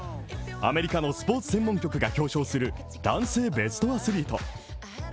アメリカのスポーツ専門局が表彰する男性ベストアスリート。